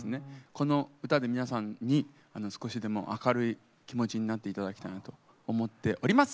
この歌で皆さんに少しでも明るい気持ちになっていただきたいなと思っております！